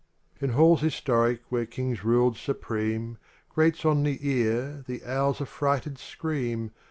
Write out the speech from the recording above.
XVUT In halls historic where kings ruled supreme Grates on the ear the owl's affrighted scream.